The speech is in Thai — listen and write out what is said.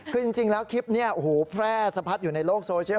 คือจริงแล้วคลิปนี้โอ้โหแพร่สะพัดอยู่ในโลกโซเชียล